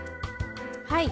はい。